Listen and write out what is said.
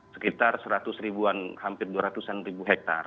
sekitar seratus ribuan hampir dua ratus ribu hektar